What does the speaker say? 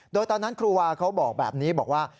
โดยตอนนั้นครูวาเขาบอกแบบนี้บอกว่า